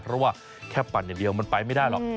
เพราะว่าแค่ปั่นอย่างเดียวมันไปไม่ได้หรอก